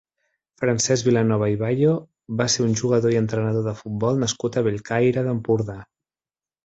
Francesc Vilanova i Bayo va ser un jugador i entrenador de futbol nascut a Bellcaire d'Empordà.